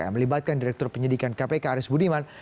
yang melibatkan direktur penyidikan kpk aris budiman